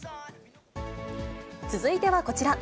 続いてはこちら。